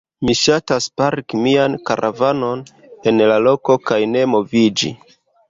Mi ŝatas parki mian karavanon en loko kaj ne moviĝi.